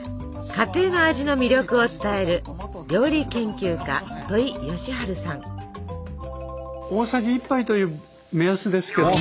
家庭の味の魅力を伝える料理研究家大さじ１杯という目安ですけど。